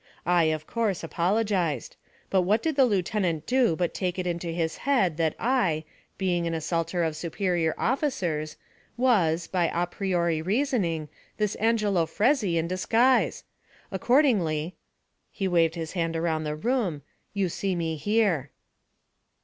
I, of course, apologized. But what did the lieutenant do but take it into his head that I, being an assaulter of superior officers, was, by a priori reasoning, this Angelo Fresi in disguise. Accordingly' he waved his hand around the room 'you see me here.'